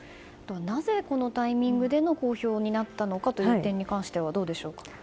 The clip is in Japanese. なぜこのタイミングでの公表になったのかという点に関してはどうでしょうか。